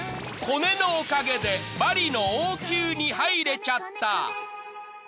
［コネのおかげでバリの王宮に入れちゃった］